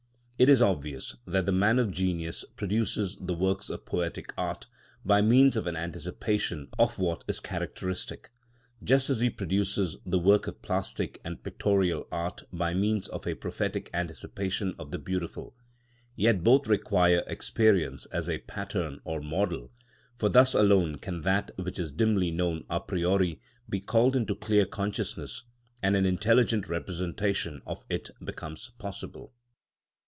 It is obvious that the man of genius produces the works of poetic art by means of an anticipation of what is characteristic, just as he produces the works of plastic and pictorial art by means of a prophetic anticipation of the beautiful; yet both require experience as a pattern or model, for thus alone can that which is dimly known a priori be called into clear consciousness, and an intelligent representation of it becomes possible.